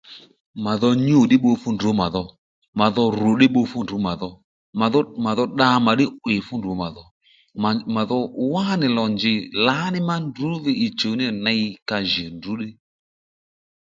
Mà dho nyû mà ddí bbu fú ndrǔ mà dho mà dho rù ddí bbu fú ndrǔ mà dho mà dho mà dho dda mà ddí 'wìy ndrǔ mà dho mà dho wánì lò njèy lǎní má ndrǔ dho ì chùw níyà ney ka jì ndrǔ ddí